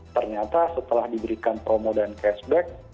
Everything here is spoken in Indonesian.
ternyata setelah diberikan promo dan cashback